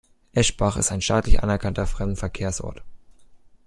Eschbach ist ein staatlich anerkannter Fremdenverkehrsort.